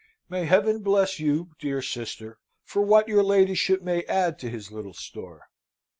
May Heaven bless you, dear sister, for what your ladyship may add to his little store!